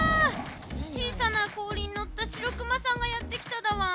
小さな氷に乗ったシロクマさんがやって来ただワン。